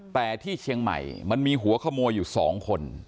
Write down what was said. แต่ที่เชียงใหม่มันมีหัวขโมยอยู่๒คน